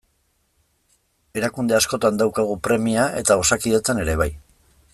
Erakunde askotan daukagu premia eta Osakidetzan ere bai.